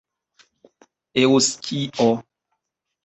eŭskio